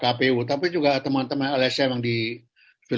kepada kpu kpu dan kpu diperlukan untuk melakukan penyelenggaraan pemilu